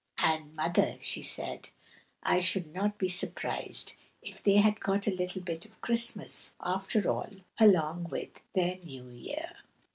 "And, mother," she said, "I should not be surprised if they had got a little bit of Christmas, after all, along with their New Year!"